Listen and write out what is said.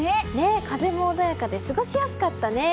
風も穏やかで過ごしやすかったね。